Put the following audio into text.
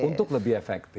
untuk lebih efektif